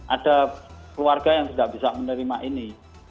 ada keluarga yang tidak bisa menerima ini